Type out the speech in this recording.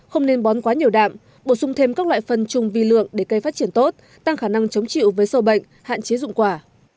không nên bón quá nhiều đạm bổ sung thêm các loại phân chung vi lượng để cây phát triển tốt tăng khả năng chống chịu với sâu bệnh hạn chế dụng quả